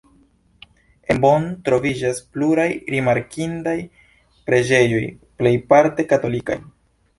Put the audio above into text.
En Bonn troviĝas pluraj rimarkindaj preĝejoj, plejparte katolikaj.